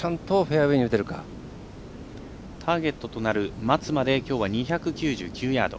ターゲットとなる松まで残り２２９ヤード。